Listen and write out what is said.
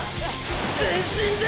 全身で！！